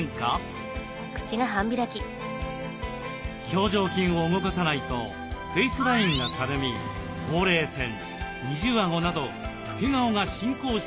表情筋を動かさないとフェイスラインがたるみほうれい線二重あごなど老け顔が進行してしまいます。